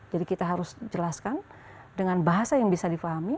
jadi kita harus jelaskan dengan bahasa yang bisa dipahami